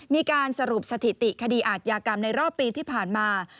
มีการสรุปสถิติคดีอาทยากรรมในรอบปีที่ผ่านมา